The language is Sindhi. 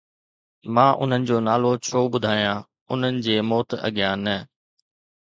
مان انهن جو نالو ڇو ٻڌايان، انهن جي موت اڳيان نه؟